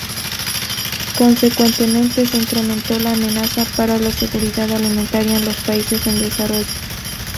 Consecuentemente se incrementó la amenaza para la seguridad alimentaria en los países en desarrollo.